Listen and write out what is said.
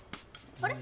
あれ？